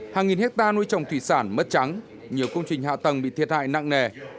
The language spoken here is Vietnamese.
hàng nghìn hectare nuôi trồng thủy sản mất trắng nhiều công trình hạ tầng bị thiệt hại nặng nề